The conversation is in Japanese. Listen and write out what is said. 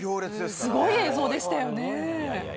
すごい映像でしたね。